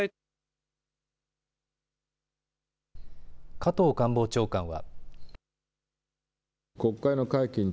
加藤官房長官は。